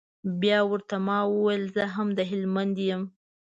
بيا ورته ما وويل زه هم د هلمند يم.